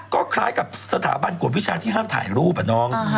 ก็คล้ายกับสถาบันกวดวิชาที่ห้ามถ่ายรูปอะน้อง